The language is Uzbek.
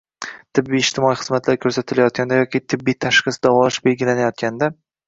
tibbiy-ijtimoiy xizmatlar ko‘rsatilayotganda yoki tibbiy tashxis, davolash belgilanayotganda